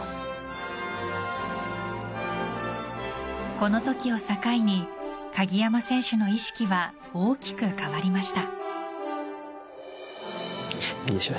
このときを境に鍵山選手の意識は大きく変わりました。